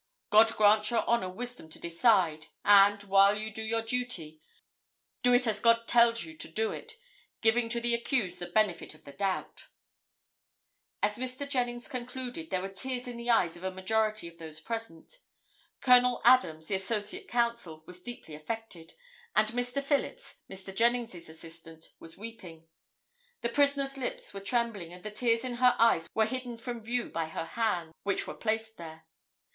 God grant Your Honor wisdom to decide, and, while you do your duty, do it as God tells you to do it, giving to the accused the benefit of the doubt." [Illustration: INSPECTOR ADELARD PERRON.] As Mr. Jennings concluded, there were tears in the eyes of a majority of those present. Col. Adams, the associate counsel, was deeply affected, and Mr. Phillips, Mr. Jennings' assistant, was weeping. The prisoner's lips were trembling, and the tears in her eyes were hidden from view by her hands, which were placed there.